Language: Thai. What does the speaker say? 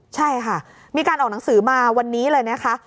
ใช่ค่ะมีการออกหนังสือมาวันนี้เลยนะคะ